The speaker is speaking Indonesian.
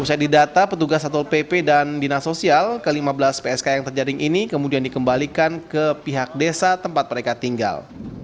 usai didata petugas satpol pp dan dinas sosial ke lima belas psk yang terjaring ini kemudian dikembalikan ke pihak desa tempat mereka tinggal